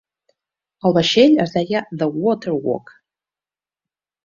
El vaixell es deia The Water Wag.